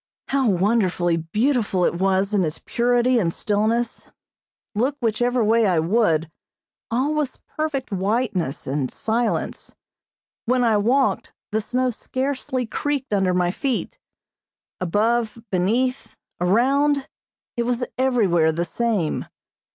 How wonderfully beautiful it was in its purity and stillness. Look whichever way I would, all was perfect whiteness and silence. When I walked the snow scarcely creaked under my feet. Above, beneath, around, it was everywhere the same.